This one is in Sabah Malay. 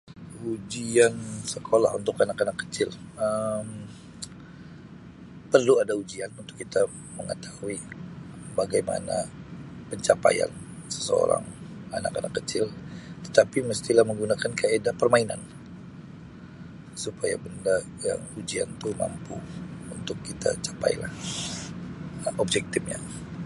Ujian sekolah untuk kanak-kanak kecil Um perlu ada ujian untuk kita mengetahui bagaimana pencapaian seseorang anak-anak kecil tetapi mestilah menggunakan kaedah permainan supaya benda yang ujian pun mampu untuk kita capai bah objektifnya.